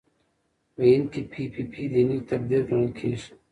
په هند کې پي پي پي دیني تقدیر ګڼل کېږي.